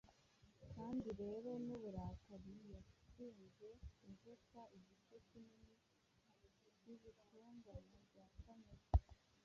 Kandi rero n'uburakari Yatsinze Inzoka igice kinini cy'ibitonyanga bya Kamere,